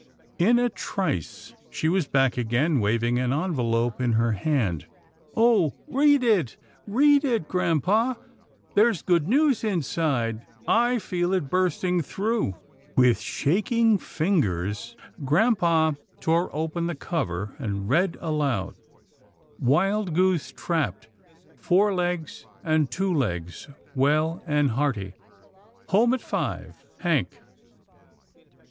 In a trice, she was back again, waving an envelope in her hand. " Oh ! read it, read it, grampa, there's good news inside. I feel it burst ing through." With shaking fingers, grampa tore open the cover, and read aloud, "* Wild goose trapped. Four Legs and Two Legs well and hearty. Home at five. Hank.'